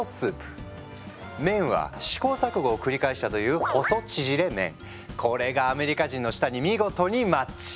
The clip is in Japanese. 麺は試行錯誤を繰り返したというこれがアメリカ人の舌に見事にマッチ。